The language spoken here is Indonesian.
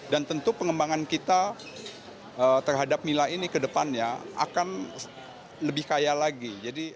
dan tentu pengembangan kita terhadap mila ini kedepannya akan lebih kaya lagi